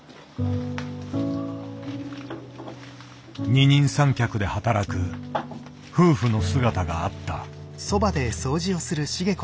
二人三脚で働く夫婦の姿があった。